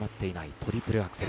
トリプルアクセル。